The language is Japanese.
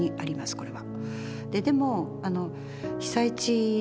これは。